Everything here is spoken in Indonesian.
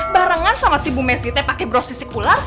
barengan sama si bu messi teh pake bro sisik ular